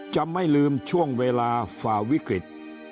จะไม่ลืมช่วงเวลาฝ่าวิกฤต